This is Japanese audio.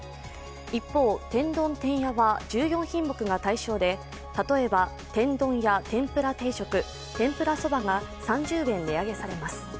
一方、天丼てんやは１４品目が対象で例えば、天丼や天ぷら定食、天ぷらそばが３０円値上げされます。